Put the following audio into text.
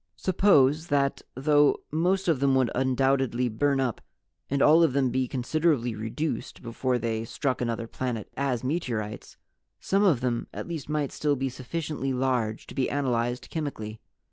Suppose that, though most of them would undoubtedly burn up and all of them be considerably reduced before they struck another planet as meteorites, some of them at least might still be sufficiently large to be analyzed chemically?